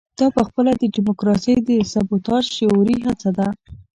دا پخپله د ډیموکراسۍ د سبوتاژ شعوري هڅه ده.